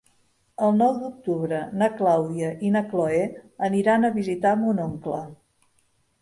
El nou d'octubre na Clàudia i na Cloè aniran a visitar mon oncle.